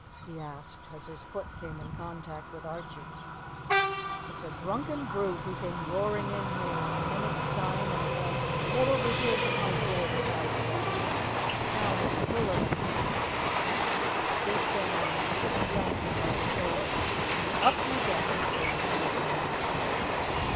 he asked as his foot came in contact with Archie. "It's a drunken brute who came roaring in here a minute syne and fell head over heels at my door," replied the other. "The town is full of them to night." He stooped down and took Flemington by the shoulder. "Up you get!" he cried, shaking him.